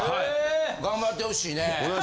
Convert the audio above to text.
頑張ってほしいね。